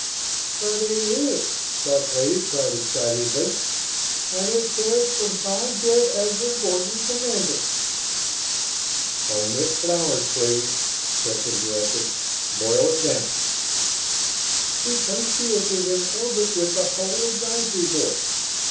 "But it is!" Dark Lady cried, excitedly. "And it says 'From Five Jet Admiral Gordon, Commanding.'" "Omit flowers, please," Hilton directed. "Boil it down." "The Perseus is in orbit with the whole Advisory Board.